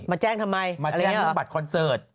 มาแจ้งทำไมมาแจ้งเรื่องบัตรคอนเสิร์ต